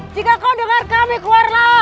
jika kau dengar kami keluarlah